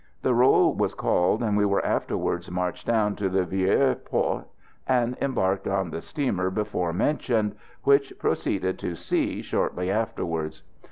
The roll was called, and we were afterwards marched down to the "Vieux Port" and embarked on the steamer before mentioned, which proceeded to sea shortly afterwards.